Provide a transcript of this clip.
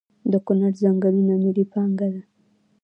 د کنړ ځنګلونه ملي پانګه ده؟